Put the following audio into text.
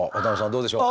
どうでしょう？